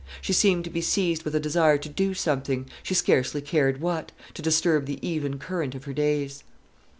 She seemed to be seized with a desire to do something, she scarcely cared what, to disturb the even current of her days.